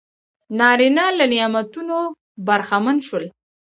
نارینه له نعمتونو برخمن شول.